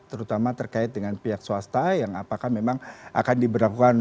terutama terkait dengan pihak swasta yang apakah memang akan diberlakukan